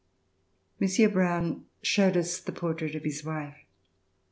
Monsieur Broun showed us the portrait of his wife.